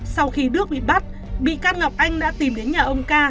sau khi đức bị bắt bị cát ngọc anh đã tìm đến nhà ông ca